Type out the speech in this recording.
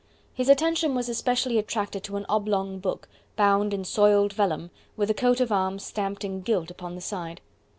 His attention was especially attracted to an oblong book, bound in soiled vellum, with a coat of arms stamped in gilt upon the side.